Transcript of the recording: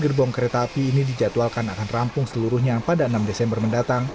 dua gerbong kereta api ini dijadwalkan akan rampung seluruhnya pada enam desember mendatang